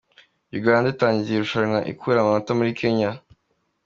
Uganda itangiye irushanywa ikura amanota kuri Kenya